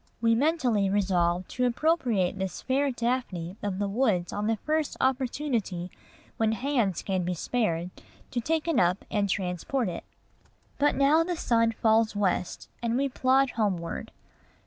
We mentally resolve to appropriate this fair Daphne of the woods on the first opportunity when hands can be spared to take it up and transport it. But now the sun falls west, and we plod homeward.